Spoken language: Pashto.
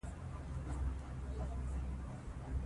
په چا كي چي پورتني صفات نه وي